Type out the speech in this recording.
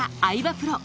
プロ。